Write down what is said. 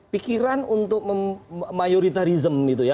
pikiran untuk mayoritarism